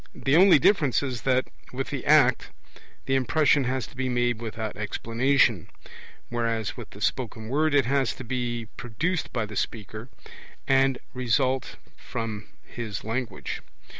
The only difference is that with the act the impression has to be made without explanation; whereas with the spoken word it has to be produced by the speaker, and result from his language.